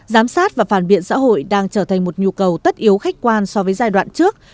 giám sát và phản biện xã hội đang trở thành một nhu cầu tất yếu khách quan so với giai đoạn trước